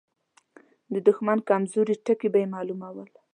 د دښمن کمزوري ټکي به يې مالومول.